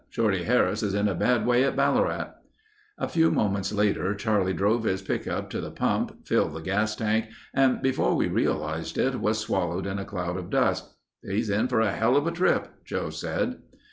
Shorty Harris is in a bad way at Ballarat." A few moments later Charlie drove his pickup to the pump, filled the gas tank and before we realized it, was swallowed in a cloud of dust. "He's in for a helluva trip," Joe said.